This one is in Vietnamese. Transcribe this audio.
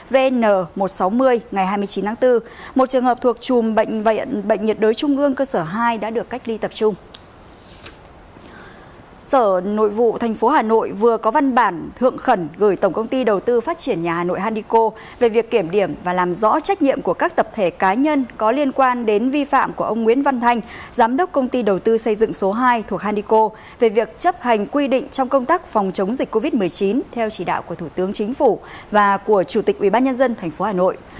vừa có văn bản thượng khẩn gửi tổng công ty đầu tư phát triển nhà hà nội handico về việc kiểm điểm và làm rõ trách nhiệm của các tập thể cá nhân có liên quan đến vi phạm của ông nguyễn văn thanh giám đốc công ty đầu tư xây dựng số hai thuộc handico về việc chấp hành quy định trong công tác phòng chống dịch covid một mươi chín theo chỉ đạo của thủ tướng chính phủ và của chủ tịch ubnd tp hà nội